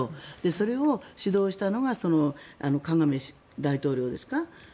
それを主導したのがカガメ大統領ですか。